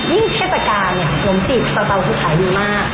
ยิ่งเทศกาลเนี่ยขนมจีบสาระเป้าคือขายดีมาก